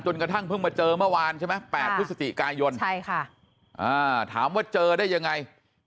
กระทั่งเพิ่งมาเจอเมื่อวานใช่ไหม๘พฤศจิกายนถามว่าเจอได้ยังไง